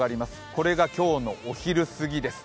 これが今日のお昼過ぎです。